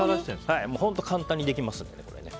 本当に簡単にできます。